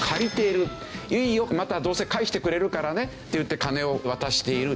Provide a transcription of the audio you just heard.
いいよまたどうせ返してくれるからねっていって金を渡している。